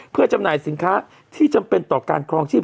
เพื่อจำหน่ายสินค้าที่จำเป็นต่อการครองชีพ